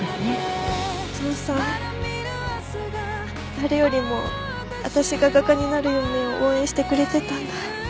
誰よりも私が画家になる夢を応援してくれてたんだ。